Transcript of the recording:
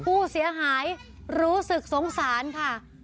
ผู้เสียหายรู้สึกสงสารค่ะ